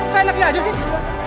saya nanti aja sih